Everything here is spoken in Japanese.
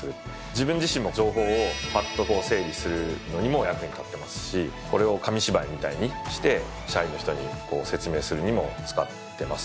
自分自身も情報をぱっと整理するのにも役に立ってますしこれを紙芝居みたいにして社員の人に説明するにも使ってます。